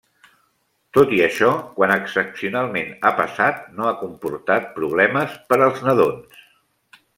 Tot i això, quan excepcionalment ha passat no ha comportat problemes per als nadons.